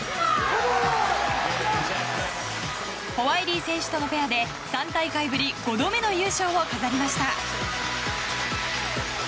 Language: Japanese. ホワイリー選手とのペアで３大会ぶり５度目の優勝を飾りました。